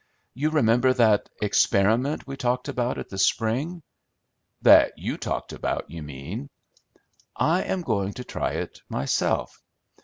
You remember that 'experiment' we talked about at the spring?" "That you talked about, you mean." "I am going to try it myself.